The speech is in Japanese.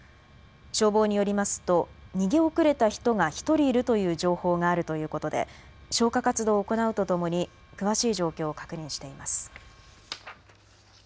消防によりますと逃げ遅れた人が１人いるという情報があるということで消火活動を行うとともに詳しい状況を確認しています。